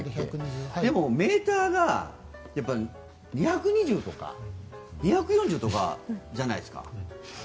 でもメーカーが２２０ｋｍとか２４０ｋｍとかじゃないですか。